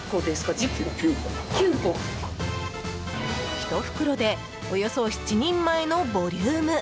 １袋でおよそ７人前のボリューム！